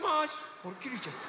あっきれちゃった。